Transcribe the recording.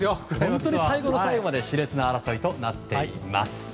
本当に最後の最後まで熾烈な争いとなっています。